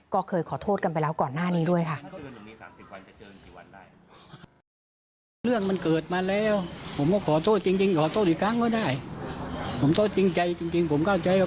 ก็เคยขอโทษกันไปแล้วก่อนหน้านี้ด้วยค่ะ